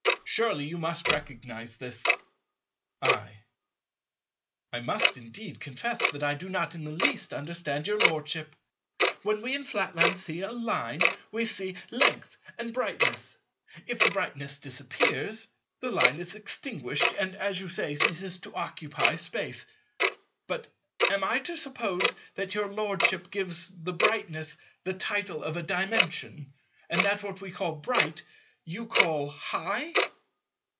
Surely you must recognize this? I. I must indeed confess that I do not in the least understand your Lordship. When we in Flatland see a Line, we see length and brightness. If the brightness disappears, the Line is extinguished, and, as you say, ceases to occupy Space. But am I to suppose that your Lordship gives the brightness the title of a Dimension, and that what we call "bright" you call "high"?